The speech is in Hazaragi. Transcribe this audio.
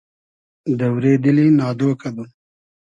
دۆرې دیلی نادۉ کئدوم